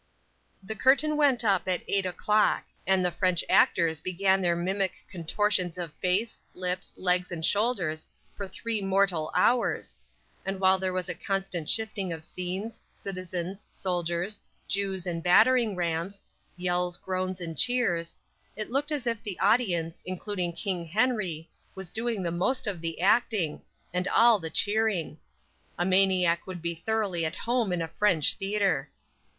The curtain went up at eight o'clock, and the French actors began their mimic contortions of face, lips, legs and shoulders for three mortal hours, and while there was a constant shifting of scenes, citizens, soldiers, Jews and battering rams, yells, groans and cheers, it looked as if the audience, including King Henry, was doing the most of the acting, and all the cheering! A maniac would be thoroughly at home in a French theatre!